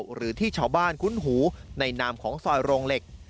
หรือที่ชาวบ้านคุ้นหูในนามของซอยโรงเหล็ก